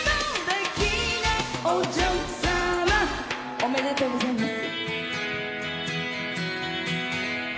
おめでとうございます。